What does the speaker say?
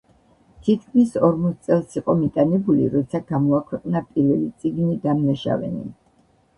თითქმის ორმოც წელს იყო მიტანებული როცა გამოაქვეყნა პირველი წიგნი „დამნაშავენი“.